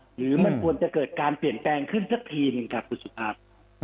หรือมันควรจะเกิดการเปลี่ยนแปลงขึ้นสักทีหนึ่งครับคุณสุภาพ